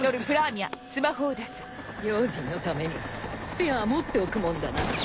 用心のためにスペアは持っておくもんだな。